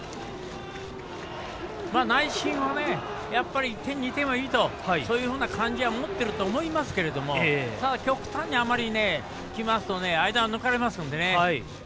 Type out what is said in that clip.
内心、１点、２点はいいとそういうふうな感じは持ってるとは思いますけれどもただ、極端にあまりきますと間抜かれますので。